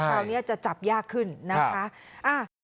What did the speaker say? คราวนี้จะจับยากขึ้นนะคะ